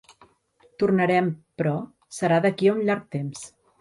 Tornarem però, serà d'aquí un llarg temps.